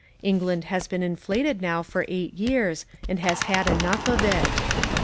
England has been inflated now for eight years and has had enough of it.